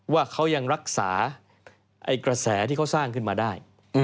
ว่าเขายังรักษากระแสที่เขาสร้างขึ้นมาได้